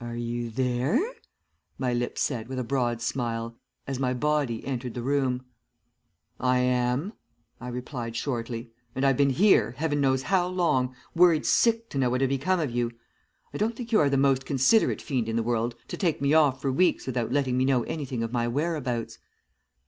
"'Are you there?' my lips said with a broad smile, as my body entered the room. "'I am,' I replied shortly; 'and I've been here, Heaven knows how long, worried sick to know what had become of you. I don't think you are the most considerate fiend in the world to take me off for weeks without letting me know anything of my whereabouts.'